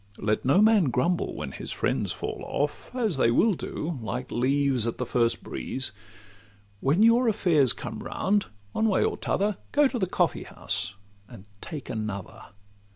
Let no man grumble when his friends fall off, As they will do like leaves at the first breeze: When your affairs come round, one way or t' other, Go to the coffee house, and take another.